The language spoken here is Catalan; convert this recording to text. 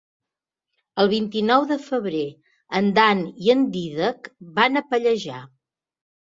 El vint-i-nou de febrer en Dan i en Dídac van a Pallejà.